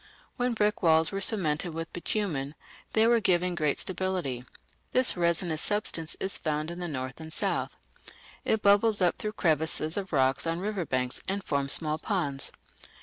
When brick walls were cemented with bitumen they were given great stability. This resinous substance is found in the north and south. It bubbles up through crevices of rocks on river banks and forms small ponds.